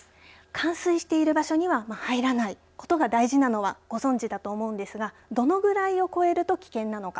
冠水している場所には入らないことが大事なのはご存じだと思うんですがどのぐらいを超えると危険なのか。